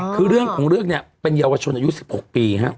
คือเรื่องของเรื่องเนี่ยเป็นเยาวชนอายุ๑๖ปีครับ